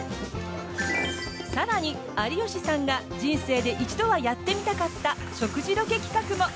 更に、有吉さんが人生で一度はやってみたかった食事ロケ企画も！